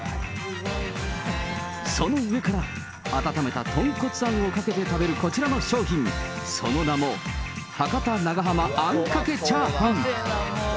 その上から温めたとんこつあんをかけて食べるこちらのチャーハン、その名も、博多ながはまあんかけチャーハン。